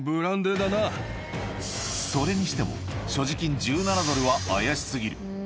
それにしても、所持金１７ドルは怪しすぎる。